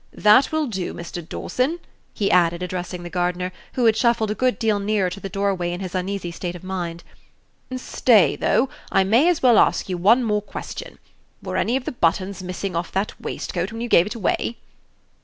"That will do, Mr. Dawson," he added, addressing the gardener, who had shuffled a good deal nearer to the doorway in his uneasy state of mind. "Stay, though; I may as well ask you one more question. Were any of the buttons missing off that waistcoat when you gave it away?"